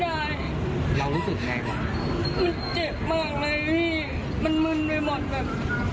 เรารู้สึกยังไงบ้างมันเจ็บมากเลยพี่มันมึนไปหมดแบบ